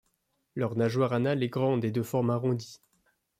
Leur nageoire anale est grande et de forme arrondie.